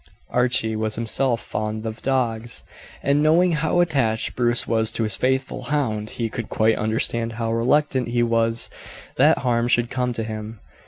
Archie was himself fond of dogs, and knowing how attached Bruce was to his faithful hound he could quite understand how reluctant he was that harm should come to him.